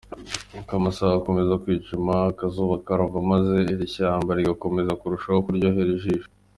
Uko amasaha akomeza kwicuma, akazuba karava maze iri shyamba rigakomeza kurushaho kuryohera ijisho.